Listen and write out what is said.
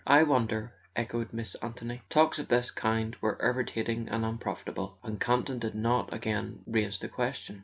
"I wonder," echoed Miss Anthony. Talks of this kind were irritating and unprofitable, and Campton did not again raise the question.